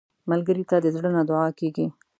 ملګری ته د زړه نه دعا کېږي